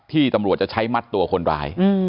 ที่ตำรวจจะใช้มัดตัวคนร้าย